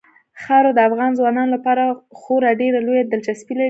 خاوره د افغان ځوانانو لپاره خورا ډېره لویه دلچسپي لري.